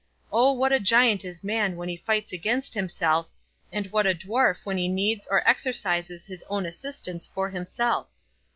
O what a giant is man when he fights against himself, and what a dwarf when he needs or exercises his own assistance for himself?